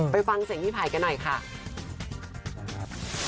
ไปฟังเสร็จพี่ภัยกันหน่อยค่ะ